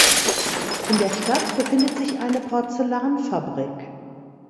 In der Stadt befindet sich eine Porzellanfabrik.